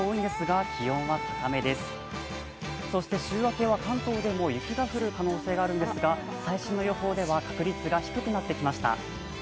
週明けは関東でも雪が降る可能性があるんですが、最新の予報では確率が低くなってきました。